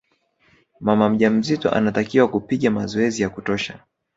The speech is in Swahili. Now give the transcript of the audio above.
mama mjamzito anatakiwa kupiga mazoezi ya kutosha